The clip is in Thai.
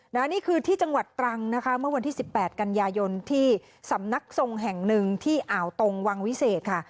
นี่คือที่จังหวัดตรังนะคะเมื่อวันที่๑๘กันยายนที่สำนักทรงแห่งหนึ่งที่อ่าวตรงวังวิเศษค่ะ